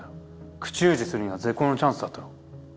口封じするには絶好のチャンスだったろ。